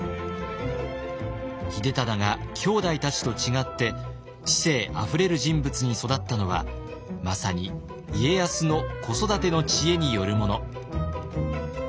秀忠がきょうだいたちと違って知性あふれる人物に育ったのはまさに家康の子育ての知恵によるもの。